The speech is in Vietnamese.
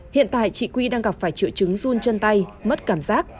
hiện tại chị quy đang gặp phải triệu chứng run chân tay mất cảm giác